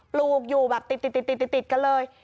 ลูกอยู่แบบติดกันเลย